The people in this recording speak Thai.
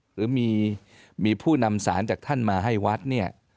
หรือมีผู้นำสารจากท่านมาให้วัดเนี่ย